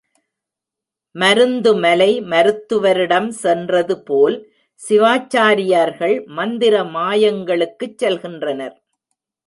மருந்துமலை, மருத்துவரிடம் சென்றது போல் சிவாச்சாரியார்கள் மந்திர மாயங்களுக்குச் செல்கின்றனர்.